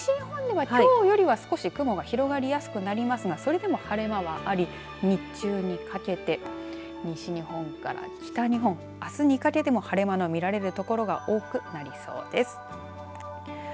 日付が変わったあとあすの午前中まあ、西日本では、きょうよりは少し雲が広がりやすくなりますがそれでも晴れ間はあり日中にかけて西日本から北日本あすにかけても晴れ間のみられる所が多くなりそうです。